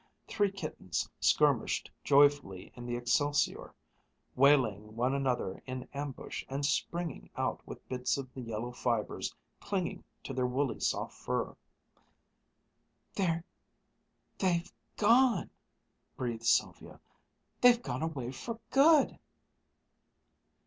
Three kittens skirmished joyfully in the excelsior, waylaying one another in ambush and springing out with bits of the yellow fibers clinging to their woolly soft fur. "They've gone!" breathed Sylvia. "They've gone away for good!"